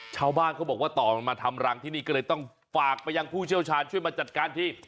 ชาวบ้านเขาบอกว่าต่อมาทำรังที่นี่ก็เลยต้องฝากไปยังผู้เชี่ยวชาญช่วยมาจัดการที